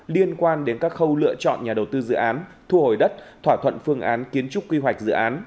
liên quan đến các khâu lựa chọn nhà đầu tư dự án thu hồi đất thỏa thuận phương án kiến trúc quy hoạch dự án